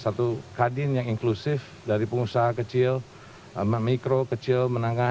satu kadin yang inklusif dari pengusaha kecil mikro kecil menengah